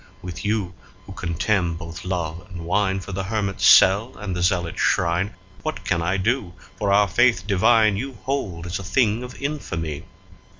With you, who contemn both love and wine2 for the hermit's cell and the zealot's shrine, What can I do, for our Faith divine you hold as a thing of infamy?